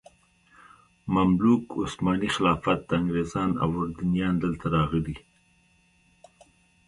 مملوک، عثماني خلافت، انګریزان او اردنیان دلته راغلي.